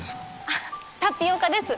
あっタピオカです。